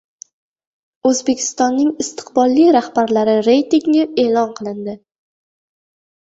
O‘zbekistonning istiqbolli rahbarlari reytingi e’lon qilindi